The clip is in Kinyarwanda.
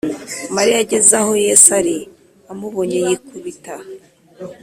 Mariya ageze aho Yesu ari amubonye yikubita